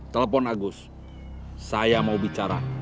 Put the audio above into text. telepon agus saya mau bicara